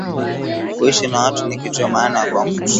Kuishi na watu ni kitu ya maana kwa mutu